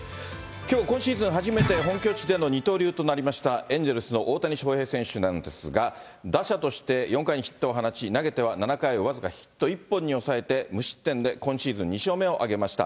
きょう、今シーズン初めて、本拠地での二刀流となりました、エンゼルスの大谷翔平選手なんですが、打者として４回にヒットを放ち、投げては７回を僅かヒット１本に抑えて、無失点で今シーズン２勝目を挙げました。